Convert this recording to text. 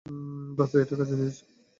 বাছা, এটা কাজে দিয়েছে।